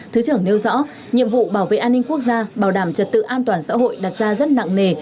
thứ trưởng nêu rõ nhiệm vụ bảo vệ an ninh quốc gia bảo đảm trật tự an toàn xã hội đặt ra rất nặng nề